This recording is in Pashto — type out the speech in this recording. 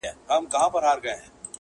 زه هوښیار یم خوله به څنګه خلاصومه -